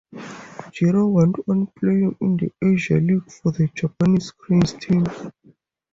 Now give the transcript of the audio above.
Jiro went on playing in the Asia League for the Japanese Cranes Team.